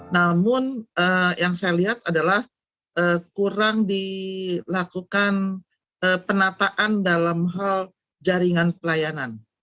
namun yang saya lihat adalah kurang dilakukan penataan dalam hal jaringan pelayanan